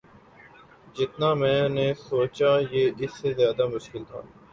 جتنا میں نے سوچا یہ اس سے زیادہ مشکل تھا